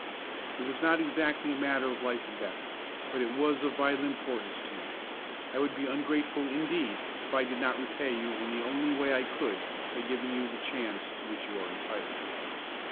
"It was not exactly a matter of life and death, but it was of vital importance to me. I would be ungrateful, indeed, if I did not repay you in the only way I could by giving you the chance to which you are entitled.